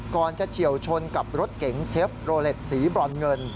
จะเฉียวชนกับรถเก๋งเชฟโรเล็ตสีบรอนเงิน